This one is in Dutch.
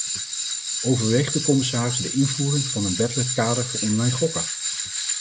Overweegt de commissaris de invoering van een wettelijk kader voor online gokken?